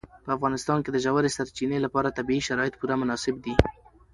په افغانستان کې د ژورې سرچینې لپاره طبیعي شرایط پوره مناسب دي.